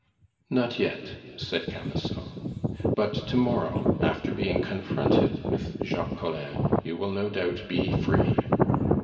"Not yet," said Camusot; "but to morrow, after being confronted with Jacques Collin, you will no doubt be free.